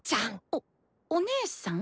おお姉さん？